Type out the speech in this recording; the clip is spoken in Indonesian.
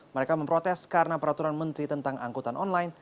mereka memprotes karena peraturan menteri tentang angkutan online